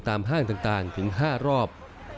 ห้างต่างถึง๕รอบ